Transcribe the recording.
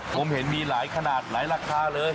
ผมเห็นมีหลายขนาดหลายราคาเลย